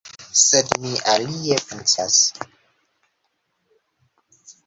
Sed mi alie pensas.